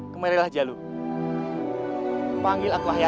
kemarilah jalu panggil aku lah yanda